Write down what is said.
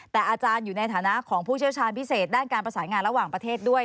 แต่อาจารย์อยู่ในฐานะของผู้เชี่ยวชาญพิเศษด้านการประสานงานระหว่างประเทศด้วย